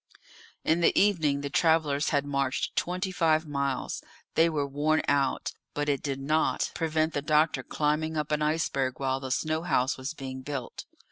In the evening the travellers had marched twenty five miles; they were worn out, but it did not prevent the doctor climbing up an iceberg while the snow house was being built.